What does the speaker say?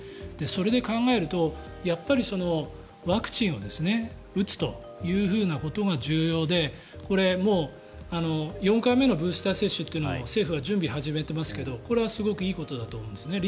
それで考えるとやっぱりワクチンを打つということが重要でこれもう、４回目のブースター接種というのを政府は準備を始めていますがこれはすごくいいことだと思うんです。